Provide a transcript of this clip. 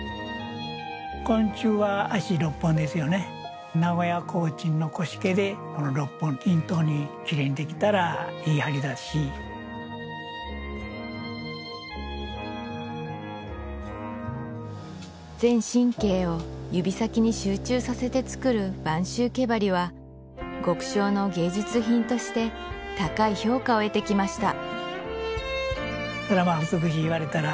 昆虫は脚６本ですよね名古屋コーチンの腰毛でこの６本均等にきれいにできたらいい針だし全神経を指先に集中させて作る播州毛鉤は極小の芸術品として高い評価を得てきました